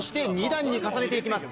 ２段に重ねていきます。